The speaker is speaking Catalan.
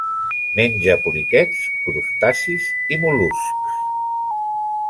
Menja poliquets, crustacis i mol·luscs.